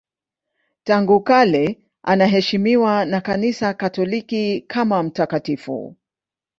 Tangu kale anaheshimiwa na Kanisa Katoliki kama mtakatifu.